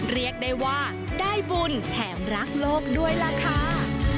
เรียกได้ว่าได้บุญแถมรักโลกด้วยล่ะค่ะ